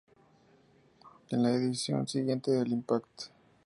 En la edición siguiente de "Impact!